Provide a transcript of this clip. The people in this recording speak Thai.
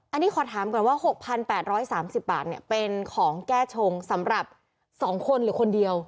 อันนี้ขอถามก่อนว่า๖๘๓๐บาทเป็นของแก้ชงสำหรับ๒คนหรือคนเดียว